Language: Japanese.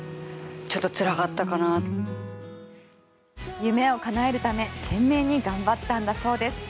夢を叶えるため懸命に頑張ったんだそうです。